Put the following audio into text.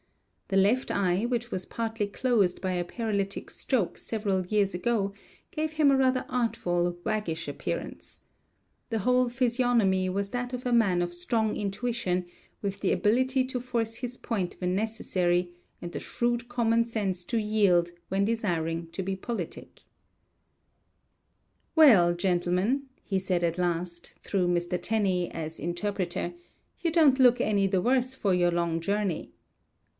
The left eye, which was partly closed by a paralytic stroke several years ago, gave him a rather artful, waggish appearance. The whole physiognomy was that of a man of strong intuition, with the ability to force his point when necessary, and the shrewd common sense to yield when desiring 202 Across Asia on a Bicycle to be politic. FURNACE FOR BURNING WASTE PAPER BEARING WRITTEN CHARACTERS. "Well, gentlemen," he said at last, through Mr. Tenney as interpreter, "you don't look any the worse for your long journey."